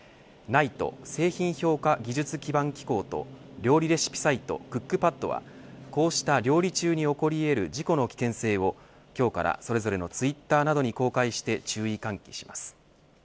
ＮＩＴＥ製品評価技術基盤機構と料理レシピサイトクックパッドはこうした料理中に起こり得る事故の危険性を今日からそれぞれのツイッターなどに公開して注意喚起します。